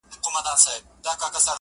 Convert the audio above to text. قاسمیار په زنځیر بند تړلی خوښ یم -